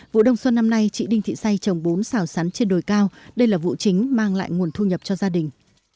vụ đông xuân năm nay chị đinh thị say trồng bốn xào sắn trên đồi cao đây là vụ chính mang lại nguồn thu nhập cho gia đình